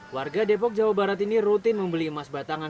warga depok jawa barat ini rutin membeli emas batangan